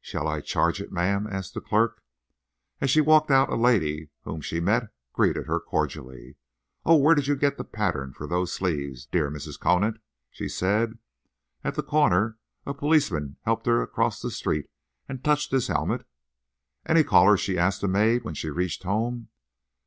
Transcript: "Shall I charge it, ma'am?" asked the clerk. As she walked out a lady whom she met greeted her cordially. "Oh, where did you get the pattern for those sleeves, dear Mrs. Conant?" she said. At the corner a policeman helped her across the street and touched his helmet. "Any callers?" she asked the maid when she reached home.